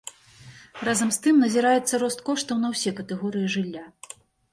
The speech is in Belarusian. Разам з тым, назіраецца рост коштаў на ўсе катэгорыі жылля.